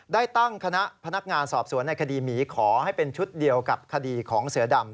ได้ตั้งคณะพนักงานสอบสวนในคดีหมีขอให้เป็นชุดเดียวกับคดีของเสือดำ